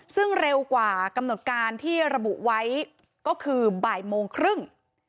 ซึ่งเร็วกว่ากำหนดการที่ระบุไว้ก็คือบ่ายโมงครึ่ง